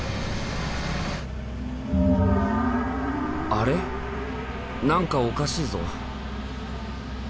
あれ何かおかしいぞ。